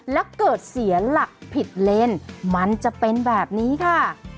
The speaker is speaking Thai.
แล้วเกิดเสียหลักผิดเลนมันจะเป็นแบบนี้ค่ะ